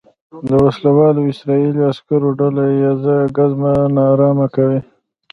د وسلوالو اسرائیلي عسکرو ډله ییزه ګزمه نا ارامه کوي.